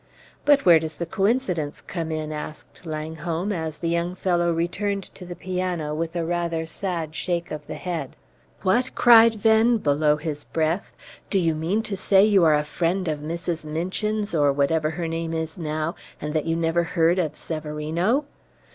"But where does the coincidence come in?" asked Langholm, as the young fellow returned to the piano with a rather sad shake of the head. "What!" cried Venn, below his breath; "do you mean to say you are a friend of Mrs. Minchin's, or whatever her name is now, and that you never heard of Severino?"